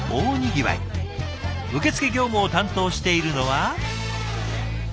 受付業務を担当しているのは。